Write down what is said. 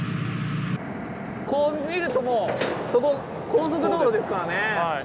こう見るともうそこ高速道路ですからね。